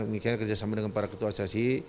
mungkin kerjasama dengan para ketua asosiasi